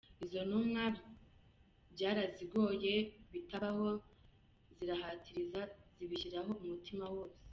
Izo ntumwa, byarazigoye bitabaho, zirahatiriza zibishyiraho umutima wose.